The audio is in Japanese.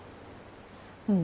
うん。